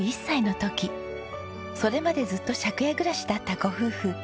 それまでずっと借家暮らしだったご夫婦。